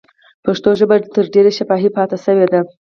پښتو ژبه تر ډېره شفاهي پاتې شوې ده.